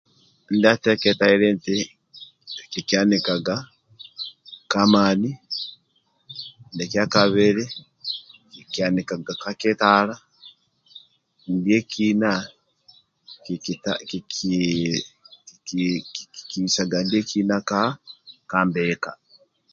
Ndia teketa ali eti kikianikaga ka mani dia kia kabili kikianikaga kakitara ndiekina kikibisaga ndiekina ka mika